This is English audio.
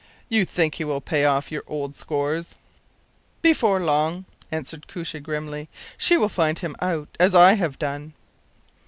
“You think he will pay off your old scores?” “Before long,” answered Koosje, grimly, “she will find him out as I have done.